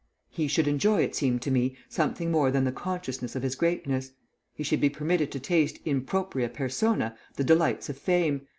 He should enjoy, it seemed to me, something more than the consciousness of his greatness. He should be permitted to taste in propriâ personâ the delights of fame.